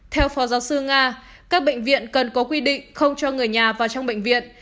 theo phó giáo sư nga các bệnh viện cần có quy định không cho người nhà vào trong bệnh viện